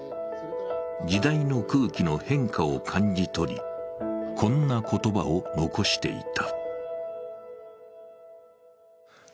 時代の空気の変化を感じ取り、こんな言葉を残していた。